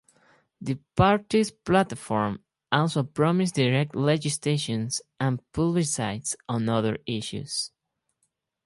The party's platform also promised direct legislation and plebiscites on other issues.